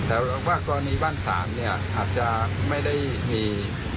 แต่ว่าตอนนี้บ้าน๓อาจจะไม่ได้มี